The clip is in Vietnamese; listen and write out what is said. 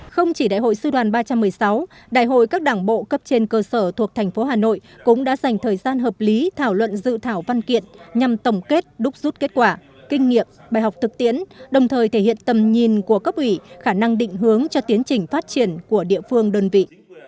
không chỉ đại hội sư đoàn ba trăm một mươi sáu đại hội các đảng bộ cấp trên cơ sở thuộc thành phố hà nội cũng đã dành thời gian hợp lý thảo luận dự thảo văn kiện nhằm tổng kết đúc rút kết quả kinh nghiệm bài học thực tiến đồng thời thể hiện tầm nhìn của cấp ủy khả năng định hướng cho tiến trình phát triển của địa phương đơn vị